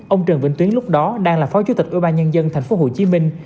ông trần vĩnh tuyến lúc đó đang là phó chủ tịch ủy ban nhân dân tp hcm